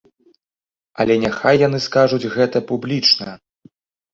Але няхай яны скажуць гэта публічна.